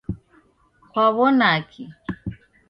Kwaw'onaki?